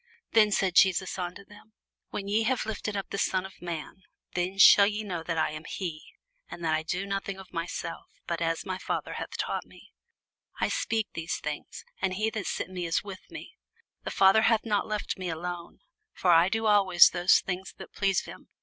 Then said Jesus unto them, When ye have lifted up the Son of man, then shall ye know that I am he, and that I do nothing of myself; but as my Father hath taught me, I speak these things. And he that sent me is with me: the Father hath not left me alone; for I do always those things that please him.